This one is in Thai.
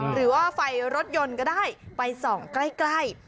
หรือว่าไฟรถยนต์ก็ได้ไปส่องใกล้